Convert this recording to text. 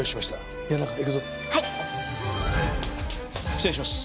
失礼します。